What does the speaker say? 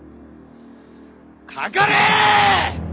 かかれ！